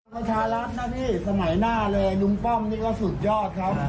ประชารัฐนะพี่สมัยหน้าเลยลุงป้อมนี่ก็สุดยอดครับ